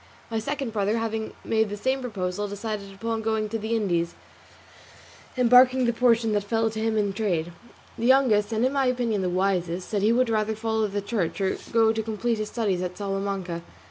My second brother having made the same proposal, decided upon going to the Indies, embarking the portion that fell to him in trade. The youngest, and in my opinion the wisest, said he would rather follow the church, or go to complete his studies at Salamanca.